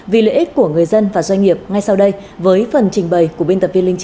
vì lợi ích của người dân và doanh nghiệp ngay sau đây với phần trình bày của biên tập viên linh chi